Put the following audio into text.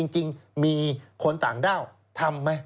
จริงมีคนต่างด้าวทำไหม